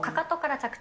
着地。